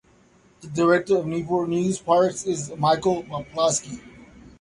The Director of Newport News Parks is Michael Poplawski.